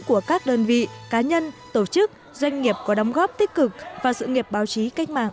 của các đơn vị cá nhân tổ chức doanh nghiệp có đóng góp tích cực và sự nghiệp báo chí cách mạng